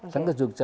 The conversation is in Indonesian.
dan ke jogja